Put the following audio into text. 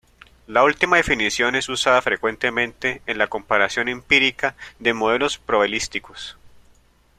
La última definición es usada frecuentemente en la comparación empírica de modelos probabilísticos.